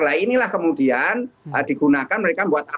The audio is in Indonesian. nah inilah kemudian digunakan mereka buat apa